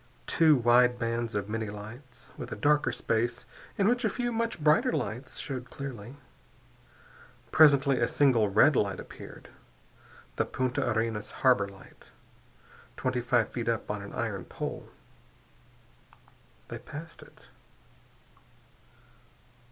Two wide bands of many lights, with a darker space in which a few much brighter lights showed clearly. Presently a single red light appeared, the Punta Arenas harbor light, twenty five feet up on an iron pole. They passed it.